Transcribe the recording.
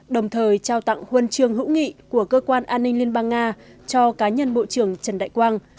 đồng thời trao tặng huân trường hữu nghị của cơ quan an ninh liên bang nga cho cá nhân bộ trưởng trần đại quang